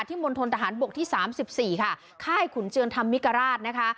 มณฑนทหารบกที่สามสิบสี่ค่ะค่ายขุนเจือนธรรมมิกราชนะคะ